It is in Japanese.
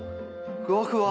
ふわふわ。